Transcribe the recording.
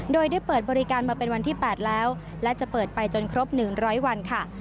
โดยได้เปิดบริการมาเป็นวันที่๘แล้วและจะเปิดไปจนครบ๑๐๐วันค่ะ